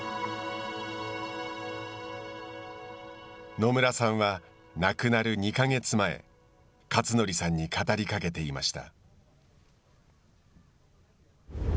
野村さんは亡くなる２か月前克則さんに語りかけていました。